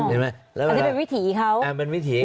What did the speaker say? อ๋ออันนี้เป็นวิถีเขา